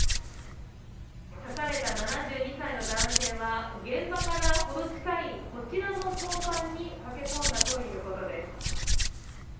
刺された７２歳の男性は現場からほど近いこちらの交番に駆け込んだということです。